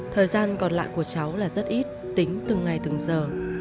thời gian còn lại của cháu là rất ít tính từng ngày từng giờ